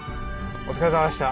お疲れさまでした。